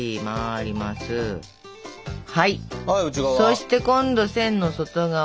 そして今度線の外側。